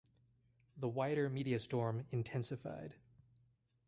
The wider media storm intensified.